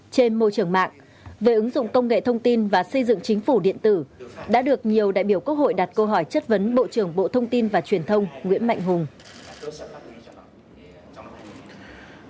trên môi trường mạng về ứng dụng công nghệ thông tin và xây dựng chính phủ điện tử đã được nhiều đại biểu quốc hội đặt câu hỏi chất vấn bộ trưởng bộ thông tin và truyền thông nguyễn mạnh hùng